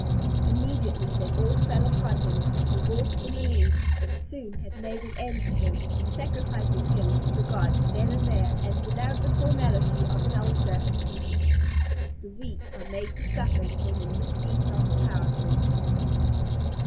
Immediately they all fell upon him, the Wolf in the lead, and soon had made an end to him, sacrificing him to the gods then and there, and without the formality of an altar. _The weak are made to suffer for the misdeeds of the powerful.